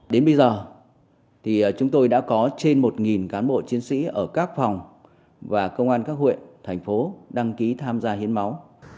đến bây giờ thì chúng tôi đã có trên một cán bộ chiến sĩ ở các phòng và công an các huyện thành phố đăng ký tham gia hiến máu